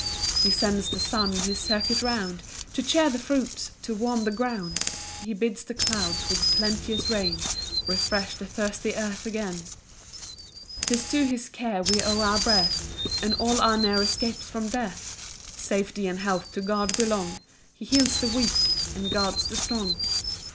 2 He sends the sun his circuit round, To cheer the fruits, to warm the ground; He bids the clouds with plenteous rain Refresh the thirsty earth again. 3 'Tis to his care we owe our breath, And all our near escapes from death; Safety and health to God belong; He heals the weak, and guards the strong.